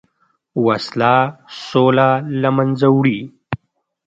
وسله سوله له منځه وړي